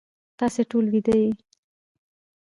تاسی ټول ویده یی